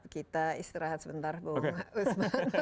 kita istirahat sebentar bu